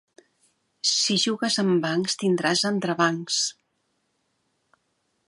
Si jugues amb bancs tindràs entrebancs.